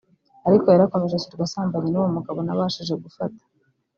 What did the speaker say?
ariko yarakomeje ashyirwa asambanye n’uwo mugabo nabashije gufata